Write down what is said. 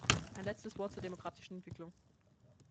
Ein letztes Wort zur demokratischen Entwicklung.